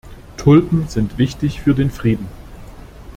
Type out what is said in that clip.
Tulpen sind wichtig für den Frieden.